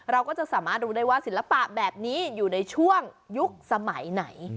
เราก็จะสามารถรู้ได้ว่าศิลปะแบบนี้อยู่ในช่วงยุคสมัยไหน